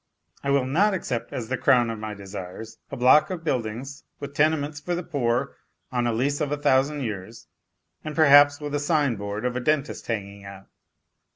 I will not accept as the crown of my desires a block of buildings with tene ments for the poor on a lease of a thousand years, and perhaps with a sign board of a dentist hanging out.